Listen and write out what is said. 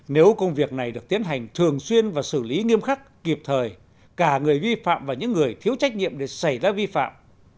nếu công việc này được tiến hành thường xuyên và xử lý nghiêm khắc kịp thời cả người vi phạm và những người thiếu trách nhiệm để xảy ra vi phạm